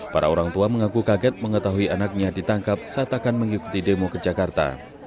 para orang tua mengaku kaget mengetahui anaknya ditangkap saat akan mengikuti demo ke jakarta